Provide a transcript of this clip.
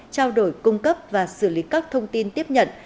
trao đổi cung cấp và xử lý các thông tin tiếp nhận